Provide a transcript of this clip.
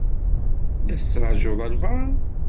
La tettṛajuḍ albaɛḍ?